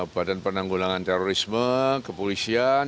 badan penanggulangan terorisme kepolisian